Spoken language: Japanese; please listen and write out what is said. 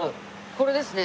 これですね。